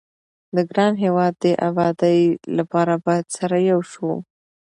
د ګران هيواد دي ابادي لپاره بايد سره يو شو